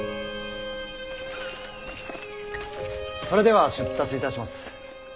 それでは出立いたします。